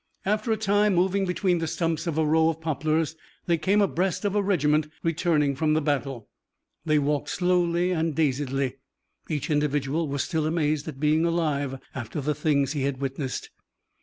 After a time, moving between the stumps of a row of poplars, they came abreast of a regiment returning from the battle. They walked slowly and dazedly. Each individual was still amazed at being alive after the things he had witnessed.